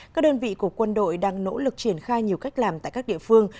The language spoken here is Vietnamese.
các đơn vị của quân đội đang nỗ lực triển khai nhiều cách làm tại các địa phương